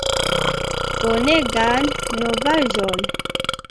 Bonegan novaĵon!"